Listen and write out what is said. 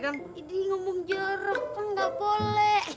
ini ngomong jeruk kan ga boleh